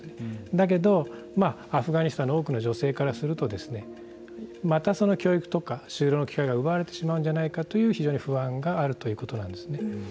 だけどアフガニスタンの多くの女性からするとですねまた教育とか就労の機会が奪われてしまうんじゃないかという非常に不安があるということなんですね。